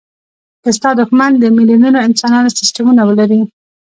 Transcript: که ستا دوښمن د میلیونونو انسانانو سستمونه ولري.